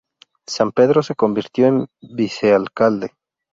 San Pedro se convirtió en vicealcalde.